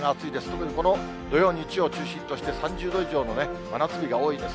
特にこの土曜、日曜を中心として３０度以上の真夏日が多いです。